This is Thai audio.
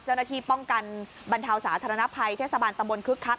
เจ้าหน้าที่ป้องกันบรรเทาสาธารณภัยเทศบาลตำบลคึกคัก